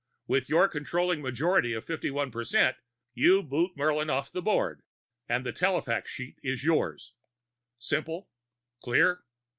With your controlling majority of fifty one percent, you boot Murlin off the Board, and the telefax sheet is yours! Simple? Clear?"